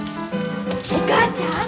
お母ちゃん